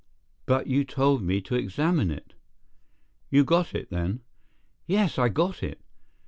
"But you told me to examine it." "You got it, then?" "Yes, I got it."